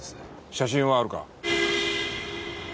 写真はあるか？